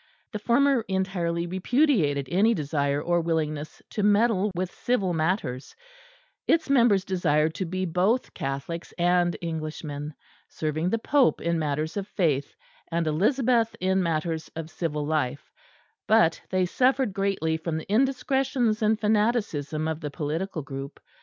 The former entirely repudiated any desire or willingness to meddle with civil matters; its members desired to be both Catholics and Englishmen; serving the Pope in matters of Faith and Elizabeth in matters of civil life; but they suffered greatly from the indiscretions and fanaticism of the political group.